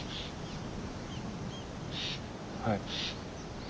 はい。